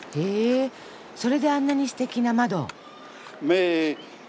それであんなにすてきな窓。